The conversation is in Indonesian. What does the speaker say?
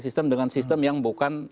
sistem dengan sistem yang bukan